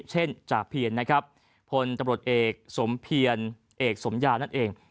เช่นจากเพียรพลตำรวจเอกสมเพียรเอกสมยานั่นเอง